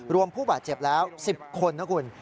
ผู้บาดเจ็บแล้ว๑๐คนนะคุณ